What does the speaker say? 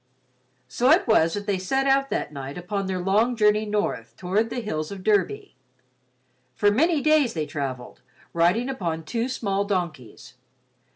So it was that they set out that night upon their long journey north toward the hills of Derby. For many days they travelled, riding upon two small donkeys.